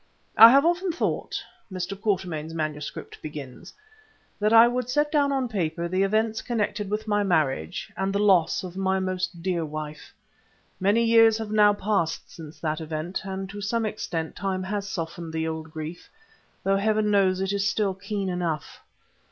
I have often thought (Mr. Quatermain's manuscript begins) that I would set down on paper the events connected with my marriage, and the loss of my most dear wife. Many years have now passed since that event, and to some extent time has softened the old grief, though Heaven knows it is still keen enough.